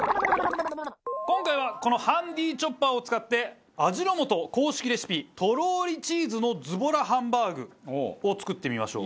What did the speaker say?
今回はこのハンディーチョッパーを使って味の素公式レシピとろりチーズのズボラハンバーグを作ってみましょう。